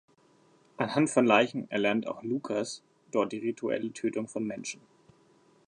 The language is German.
Anhand von Leichen erlernt auch „Lukas“ dort die rituelle Tötung von Menschen.